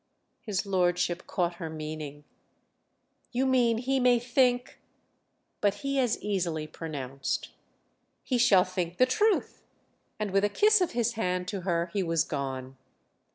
His lordship caught her meaning. "You mean he may think—?" But he as easily pronounced. "He shall think the Truth!" And with a kiss of his hand to her he was gone.